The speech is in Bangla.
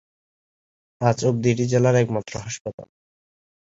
আজ অবধি, এটি জেলার একমাত্র হাসপাতাল।